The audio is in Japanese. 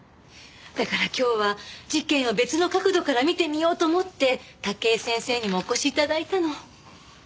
だから今日は事件を別の角度から見てみようと思って武井先生にもお越し頂いたの。